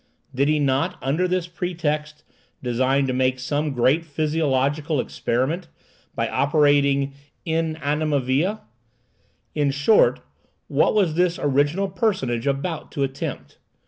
Did he not, under this pretext, design to make some great physiological experiment by operating in anima vili? In short, what was this original personage about to attempt?